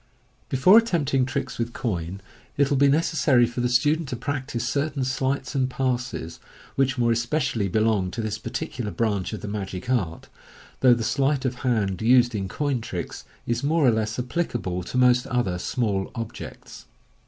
Before attempting tricks with coin, it will be necessary for the stu« dent to practise certain sleights and passes which more especially belong to this particular branch of the magic art, though the sleight of hand used in "coin tricks" is more or less applicable to most other small objects.